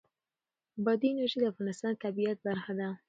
بادي انرژي د افغانستان د طبیعت برخه ده.